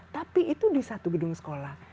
tapi itu di satu gedung sekolah